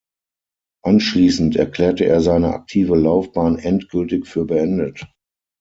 Anschließend erklärte er seine aktive Laufbahn endgültig für beendet.